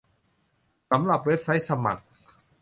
สำหรับเว็บไซต์สมัคร